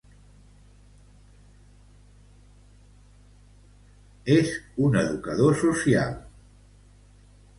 Raúl Moreno Montaña és un educador social i polític nascut a Barcelona.